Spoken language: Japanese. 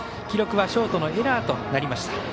記録はショートのエラーとなりました。